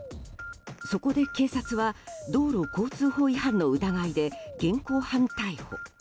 そこで警察は道路交通法違反の疑いで現行犯逮捕。